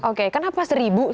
oke kenapa seribu sih bang